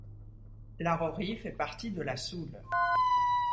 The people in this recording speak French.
Larrory fait partie de la Soule.